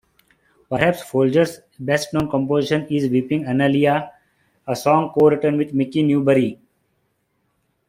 Perhaps Folger's best-known composition is "Weeping Annaleah", a song co-written with Mickey Newbury.